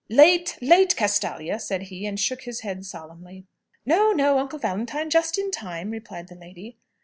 "Late, late, Castalia!" said he, and shook his head solemnly. "Oh no, Uncle Valentine; just in time," replied the lady.